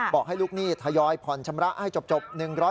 บอกให้ลูกหนี้ทยอยผ่อนชำระให้จบ